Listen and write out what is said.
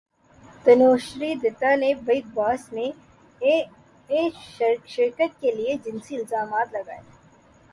تنوشری دتہ نے بگ باس میں شرکت کیلئے جنسی الزامات لگائے